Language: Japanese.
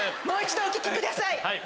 もう一度お聴きください